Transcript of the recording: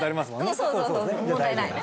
そうそうそうそう問題ない。